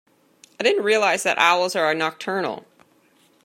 I didn't realise that owls are nocturnal.